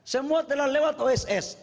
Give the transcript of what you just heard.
semua telah lewat oss